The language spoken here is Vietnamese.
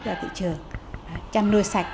ra thị trường trăm nuôi sạch